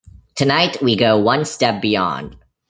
Tonight we go one step beyond.